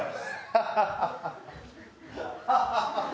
ハハハハ！